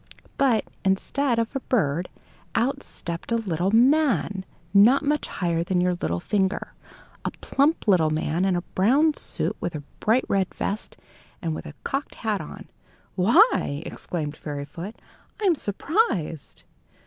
But, in. stead of a bird, out stepped a little man, not much higher than your little finger a plump little man in a brown suit with a bright red vest, and with a cocked hat on. "Why," exclaimed Fairyfoot, "I'm surprised!"